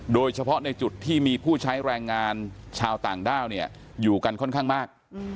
โดยเฉพาะในจุดที่มีผู้ใช้แรงงานชาวต่างด้าวอยู่กันค่อนข้างมาก